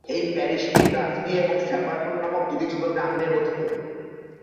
এই প্যারিশটি ব্রাসবি এবং স্যাপারটন নামক দুটি ছোট গ্রাম নিয়ে গঠিত।